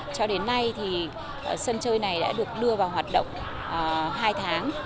cho đến nay thì sân chơi này đã được đưa vào hoạt động hai tháng